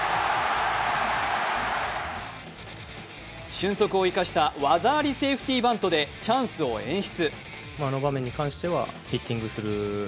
俊足を生かした技ありセーフティーバントでチャンスを演出。